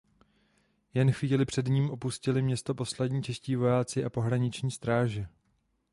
Jen chvíli před ním opustili město poslední čeští vojáci a pohraniční stráže.